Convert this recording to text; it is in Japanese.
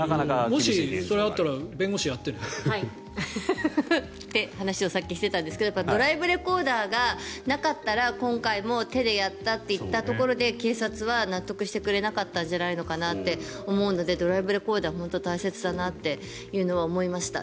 もしそれがあったら弁護士やってね。という話をさっきしてたんですけどドライブレコーダーがなかったら今回も手でやったと言ったところで警察は納得しなかったんじゃないかなと思うのでドライブレコーダー大切だなと思いました。